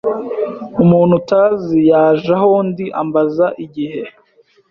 Umuntu utazi yaje aho ndi ambaza igihe.